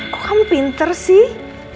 kok kamu pinter sih